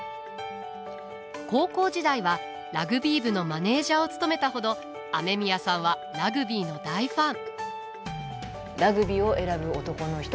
高校時代はラグビー部のマネージャーを務めたほど雨宮さんはラグビーの大ファン。